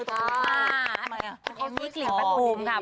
เสตมือกลิ่นปัดปูมค่ะ